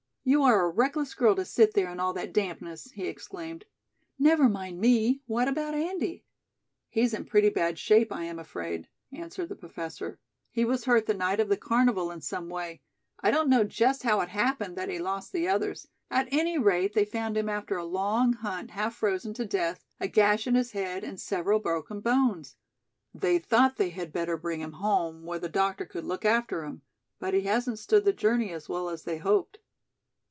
"You are a reckless girl to sit there in all that dampness," he exclaimed. "Never mind me. What about Andy?" "He's in pretty bad shape, I am afraid," answered the Professor. "He was hurt the night of the carnival in some way. I don't know just how it happened that he lost the others. At any rate, they found him after a long hunt half frozen to death, a gash in his head, and several broken bones. They thought they had better bring him home, where the doctor could look after him, but he hasn't stood the journey as well as they hoped."